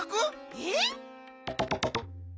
えっ！